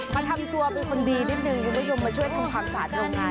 มาทำตัวเป็นคนดีนิดนึงคุณผู้ชมมาช่วยทำความสะอาดโรงงาน